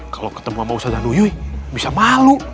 kalau ketemu sama ustazanuyuy bisa malu